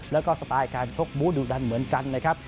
แล้วก็สไตล์การชกบู้ดุดันเหมือนกันนะครับ